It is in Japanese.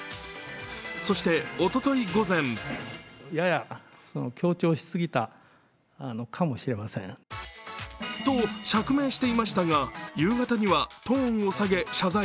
そしておととい午前。と釈明していましたが夕方にはトーンを下げ、謝罪。